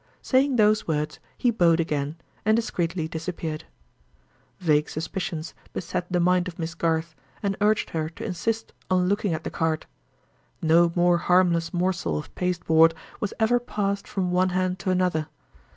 Saying those words, he bowed again, and discreetly disappeared. Vague suspicions beset the mind of Miss Garth, and urged her to insist on looking at the card. No more harmless morsel of pasteboard was ever passed from one hand to another.